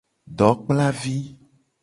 Dokplavi.